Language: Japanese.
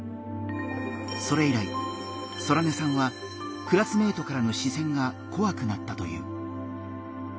それ以来ソラネさんはクラスメイトからの視線がこわくなったという。